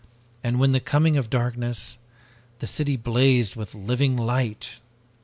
And with the coming of darkness, the city blazed with living light!